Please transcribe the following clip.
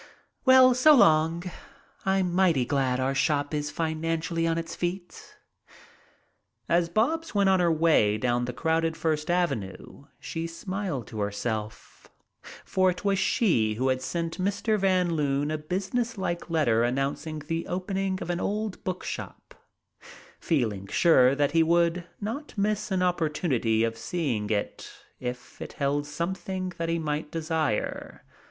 Well, so long! I'm mighty glad our shop is financially on its feet." As Bobs went on her way down the crowded First Avenue she smiled to herself, for it was she who had sent Mr. Van Loon a business like letter announcing the opening of an old book shop, feeling sure that he would not miss an opportunity of seeing it if it held something that he might desire.